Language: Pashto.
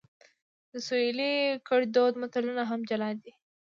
د سویلي ګړدود متلونه هم جلا دي